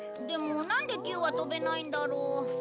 でもなんでキューは飛べないんだろう？